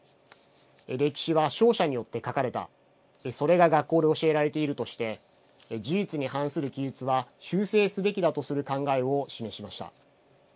歴史は勝者によって書かれたそれが学校で教えられているとして事実に反する記述は修正すべきだとする考えを示しました。